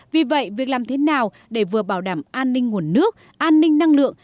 vì vậy việc làm thế nào để vừa bảo đảm an ninh nguồn nước an ninh năng lượng